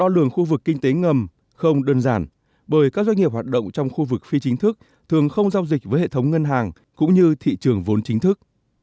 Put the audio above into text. đo lường khu vực kinh tế ngầm không đơn giản bởi các doanh nghiệp hoạt động trong khu vực phi chính thức thường không giao dịch với hệ thống ngân hàng cũng như thị trường vốn chính thức